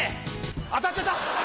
当たってた！